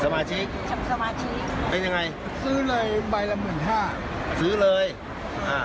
สมาชิกเป็นยังไงซื้อเลยใบละหมื่นห้าซื้อเลยอ่า